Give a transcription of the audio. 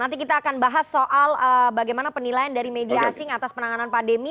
nanti kita akan bahas soal bagaimana penilaian dari media asing atas penanganan pandemi